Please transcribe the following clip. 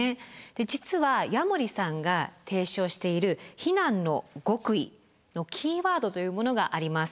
実は矢守さんが提唱している避難の極意のキーワードというものがあります。